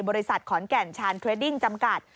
บริษัทขอนแก่นชานเครดดิ้งจำกัด